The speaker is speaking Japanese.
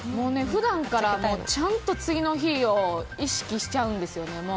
普段からちゃんと次の日を意識しちゃうんですよね。